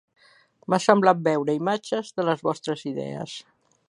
M'ha semblat veure, imatges de les vostres idees